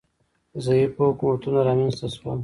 ضعیفه حکومتونه رامنځ ته شول